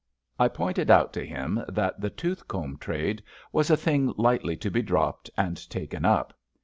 I pointed out to him that the tooth comb trade was a thing lightly to be dropped and taken up.